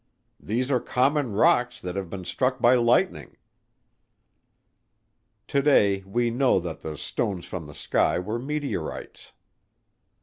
"These are common rocks that have been struck by lightning." Today we know that the "stones from the sky" were meteorites.